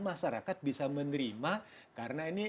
masyarakat bisa menerima karena ini